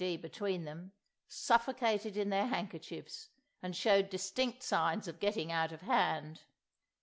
D. between them, suffocated in their handkerchiefs and showed distinct signs of getting out of hand!